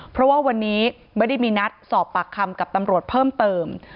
เพราะว่าวันนี้ไม่ได้มีนัดสอบปากคำกับตำรวจเพิ่มเติม